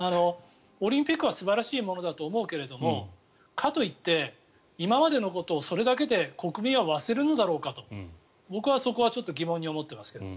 オリンピックは素晴らしいものだと思うけれどもかといって今までのことをそれだけで国民は忘れるのだろうかと僕はそこはちょっと疑問に思っていますけど。